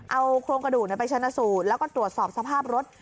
เอาโครงกระดูกไปชนะสูตรแล้วก็ตรวจสอบสภาพรถ